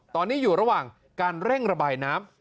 ตอนนี้อยู่ระหว่างการเร่งระบายน้ำ